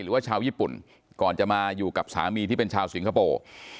หรือว่าชาวญี่ปุ่นก่อนจะมาอยู่กับสามีที่เป็นชาวสิงคโปร์